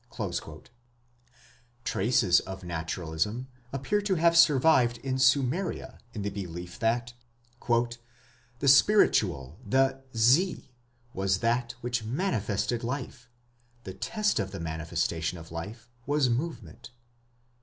Traces of Naturalism appear to have survived in Sumeria in the belief that "the spiritual, the Zi, was that which manifested life.... The test of the manifestation of life was movement."